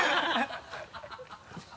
ハハハ